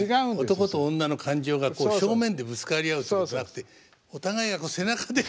男と女の感情がこう正面でぶつかり合うっていうことはなくてお互いが背中でこうね。